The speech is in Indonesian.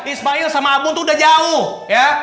ismail sama abun tuh udah jauh